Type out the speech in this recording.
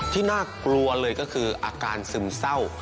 ที่น่ากลัวเลยก็คืออาการซึมเศร้า